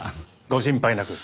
ご心配なく。